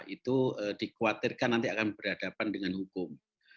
itu dikhawatirkan nanti akan berhadapan dengan hukum